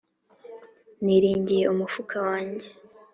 Niringiye umufuka wanjye